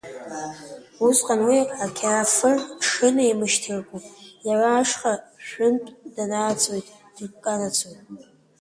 Усҟан уи ақьаафыр дшынеимышьҭраку иара ашҟа шәынтә даанацоит-дканацоит…